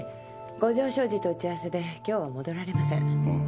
五条商事と打ち合わせで今日は戻られませんあっ